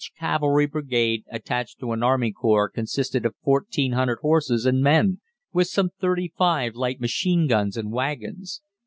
Each cavalry brigade attached to an army corps consisted of 1,400 horses and men, with some thirty five light machine guns and wagons.